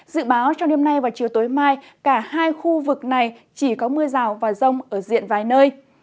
dự báo trong đêm nay và chiều tối mai cả hai khu vực này chỉ có mưa rào và rông ở diện vài nơi